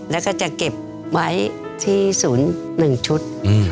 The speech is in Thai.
แล้วก็จะเก็บไว้ที่ศูนย์๑ชุด